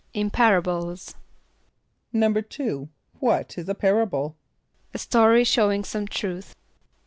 =In parables.= =2.= What is a parable? =A story showing some truth.